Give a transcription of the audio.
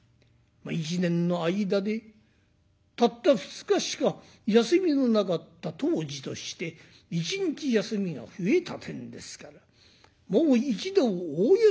一年の間でたった２日しか休みのなかった当時として一日休みが増えたてんですからもう一同大喜びで。